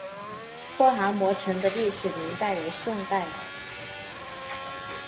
郭蛤蟆城的历史年代为宋代。